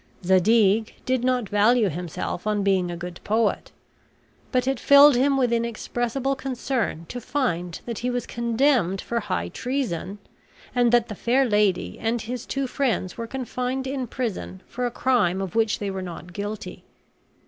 Zadig did not value himself on being a good poet; but it filled him with inexpressible concern to find that he was condemned for high treason; and that the fair lady and his two friends were confined in prison for a crime of which they were not guilty.